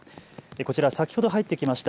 こちら、先ほど入ってきました